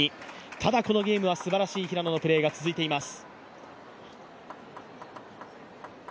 ただこのゲームはすばらしい平野のプレーが続いています。